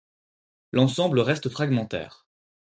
L'ensemble reste fragmentaire.